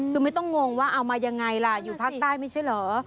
คือไม่ต้องงงว่าเอามายังไงล่ะอยู่ภาคใต้ไม่ใช่เหรอ